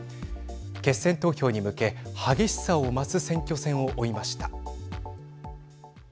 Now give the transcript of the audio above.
決選投票に向け、激しさを増す選挙戦を追いました。